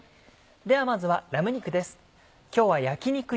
ではまずはラム肉です。